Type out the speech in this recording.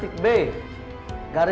silahkan duduk kembali